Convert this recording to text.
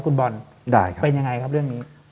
คุณบอลเป็นยังไงครับเรื่องนี้